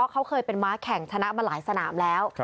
เขาเคยเป็นม้าแข่งชนะมาหลายสนามแล้ว